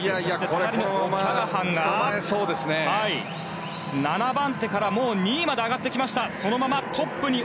隣のオキャラハンが７番手から２位まで上がってきました。